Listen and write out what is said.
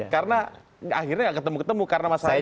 karena akhirnya nggak ketemu ketemu karena mas sari